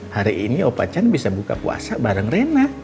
hari ini opacan bisa buka puasa bareng rena